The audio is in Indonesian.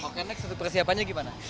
oke next persiapannya gimana